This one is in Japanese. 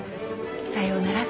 さようなら。